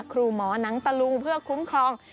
ครูหมอหนังตะลุงเพื่อคุ้มครอง